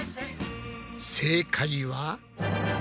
正解は？